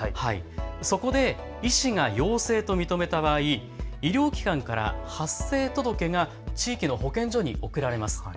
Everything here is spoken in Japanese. そこで医師が陽性と認めた場合、医療機関から発生届が地域の保健所に送られます。